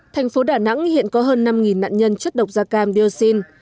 thành phố đà nẵng hiện có hơn năm nạn nhân chất độc da cam dioxin